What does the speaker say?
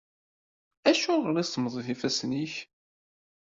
Acuɣer i semmḍit yifassen-ik?